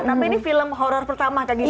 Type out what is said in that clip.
tapi ini film horror pertama kak gisal